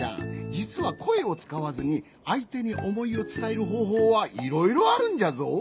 じつはこえをつかわずにあいてにおもいをつたえるほうほうはいろいろあるんじゃぞ。